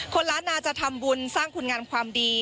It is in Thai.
ล้านนาจะทำบุญสร้างคุณงามความดี